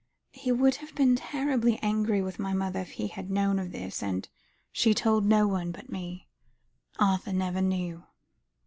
He would have been terribly angry with my mother if he had known of this, and she told no one but me. Arthur never knew."